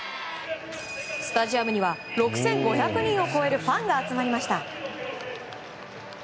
スタジアムには６５００人を超えるファンが集まりました。